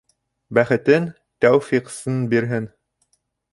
Бәхетен-тәүфиғсн бирһен!